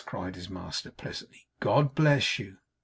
cried his master, pleasantly 'God bless you!